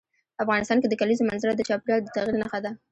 افغانستان کې د کلیزو منظره د چاپېریال د تغیر نښه ده.